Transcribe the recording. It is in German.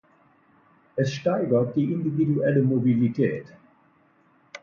Es steigert die individuelle Mobilität.